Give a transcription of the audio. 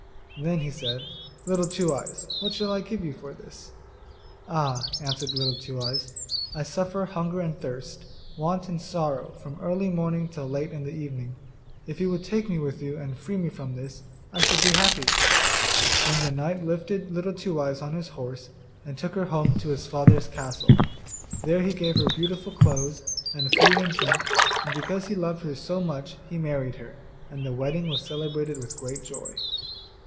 Then he said, 'Little Two eyes, what shall I give you for this?' 'Ah,' answered Little Two eyes, 'I suffer hunger and thirst, want and sorrow, from early morning till late in the evening; if you would take me with you, and free me from this, I should be happy!' Then the knight lifted Little Two eyes on his horse, and took her home to his father's castle. There he gave her beautiful clothes, and food and drink, and because he loved her so much he married her, and the wedding was celebrated with great joy.